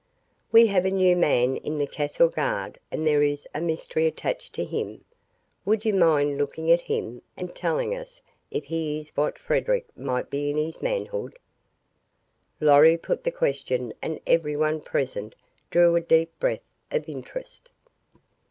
"We have a new man in the Castle Guard and there is a mystery attached to him. Would you mind looking at him and telling us if he is what Frederic might be in his manhood?" Lorry put the question and everyone present drew a deep breath of interest.